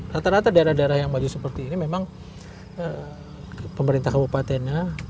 rata rata daerah daerah yang maju seperti ini memang pemerintah kabupatennya